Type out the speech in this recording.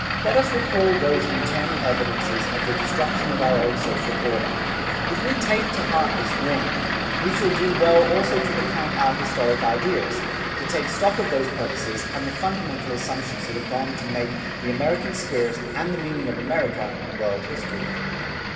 Let us recall those internal evidences of the destruction of our old social order. If we take to heart this warning, we shall do well also to recount our historic ideals, to take stock of those purposes, and fundamental assumptions that have gone to make the American spirit and the meaning of America in world history.